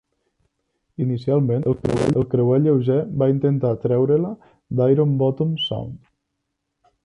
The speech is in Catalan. Inicialment, el creuer lleuger va intentar treure-la d'Ironbottom Sound.